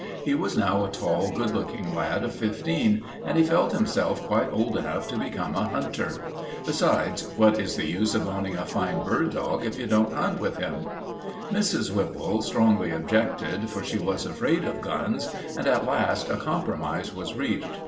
He was now a tall, good looking lad of fifteen, and he felt himself quite old enough to become a hunter. Besides, what is the use of owning a fine bird dog if you don't hunt with him? Mrs. Whipple strongly objected, for she was afraid of guns, and at last a compromise was reached.